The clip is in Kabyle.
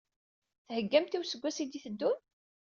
Theggamt i useggas i d-iteddun?